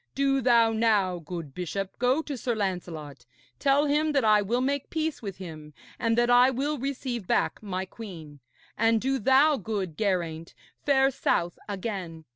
Do thou now, good bishop, go to Sir Lancelot, tell him that I will make peace with him and that I will receive back my queen. And do thou, good Geraint, fare south again.